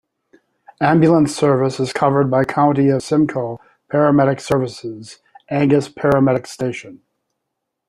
Ambulance service is covered by County of Simcoe Paramedic Services Angus Paramedic Station.